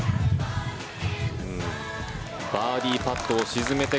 バーディーパットを沈めて